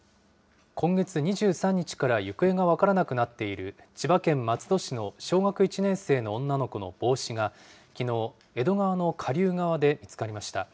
今月２３日から行方が分からなくなっている、千葉県松戸市の小学１年生の女の子の帽子が、きのう、江戸川の下流側で見つかりました。